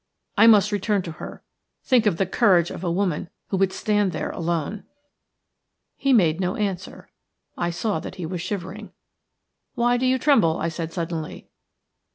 I must return to her. Think of the courage of a woman who would stand there alone." He made no answer. I saw that he was shivering. "Why do you tremble?" I said, suddenly.